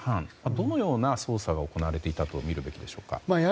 どのような捜査が行われていたとみるべきでしょうか。